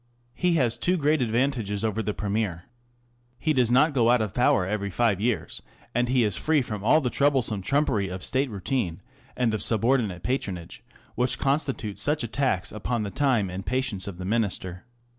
He has two great advantages over the Premier. He does not go out of power every five years, and he is free from all the troublesome trumpery of State routine and of subordinate patronage which constitute such a tax upon the time and patience of the Minister.